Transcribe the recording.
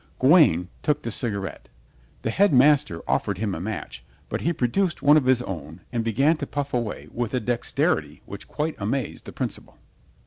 Gawaine took a cigarette. The Headmaster offered him a match, but he produced one of his own and began to puff away with a dexterity which quite amazed the principal.